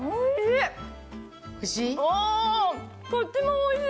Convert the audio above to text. おいしい？